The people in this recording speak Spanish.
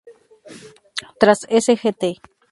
Tras "Sgt.